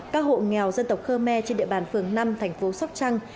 các hộ nghèo dân tộc khơ me trên địa bàn phường năm thành phố sóc trăng